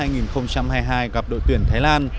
gặp đội tuyển thái lan